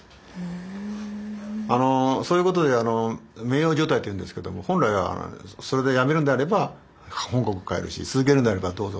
あのそういうことで名誉除隊っていうんですけども本来はそれで辞めるんであれば本国帰るし続けるんであればどうぞと。